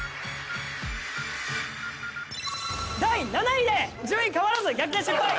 第７位で順位変わらず逆転失敗！